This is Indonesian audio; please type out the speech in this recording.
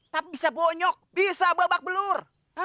tapi bisa bonyok bisa babak belur